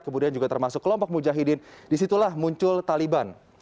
kemudian juga termasuk kelompok mujahidin disitulah muncul taliban